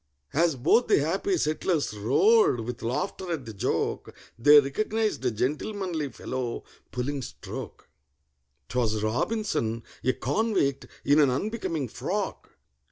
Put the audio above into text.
As both the happy settlers roared with laughter at the joke, They recognized a gentlemanly fellow pulling stroke: 'Twas ROBINSON—a convict, in an unbecoming frock!